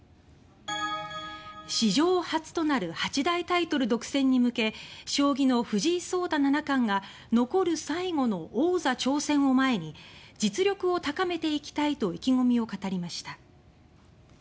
史上初となる８大タイトル独占に向け将棋の藤井聡太七冠が残る最後の「王座」挑戦を前に「実力を高めていきたい」と意気込みを語りました。